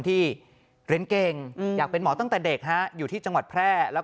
ที่เรียนเก่งอยากเป็นหมอตั้งแต่เด็กฮะอยู่ที่จังหวัดแพร่แล้ว